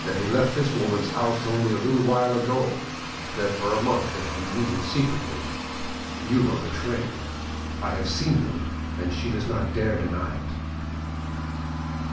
"That he left this woman's house only a little while ago, that for a month they have been meeting secretly. You are betrayed: I have seen them and she does not dare to deny it."